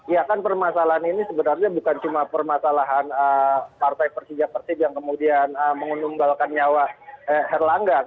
ya kan permasalahan ini sebenarnya bukan cuma permasalahan partai persijak persijak yang kemudian mengundangkan nyawa herlangga